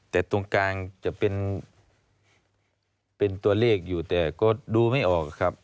แต่ตรงกลางจะเป็นตัวเลขอยู่แต่ก็ดูไม่ออกครับ